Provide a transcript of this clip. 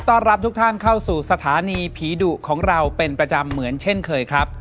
รับทุกท่านเข้าสู่สถานีผีดุของเราเป็นประจำเหมือนเช่นเคยครับ